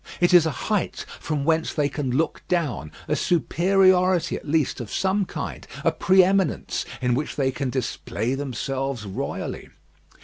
It is a height from whence they can look down; a superiority at least of some kind; a pre eminence in which they can display themselves royally.